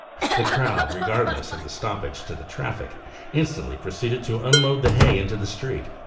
The crowd, regardless of the stoppage to the traffic, instantly pro ceeded to unload the hay into the street.